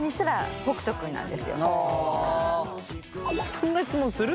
そんな質問する？